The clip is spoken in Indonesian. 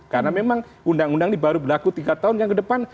karena memang undang undang ini baru berlaku tiga tahun yang ke depan